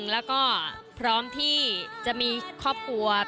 แล้วก็พร้อมที่จะมีครอบครัว